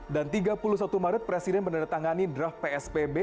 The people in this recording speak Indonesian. dan tiga puluh satu maret presiden meneretangani draft pspb